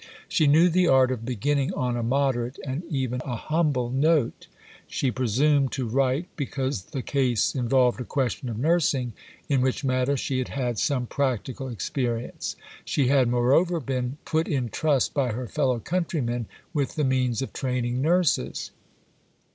She knew the art of beginning on a moderate, and even a humble, note. She presumed to write because the case involved a question of nursing, in which matter she had had some practical experience; she had, moreover, been "put in trust by her fellow countrymen with the means of training nurses."